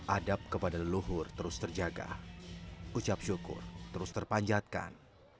adab kepada leluhur terus terjaga ucap syukur terus terpanjatkan